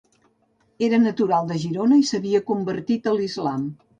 Era natural de Girona i s'havia convertit a l'islam.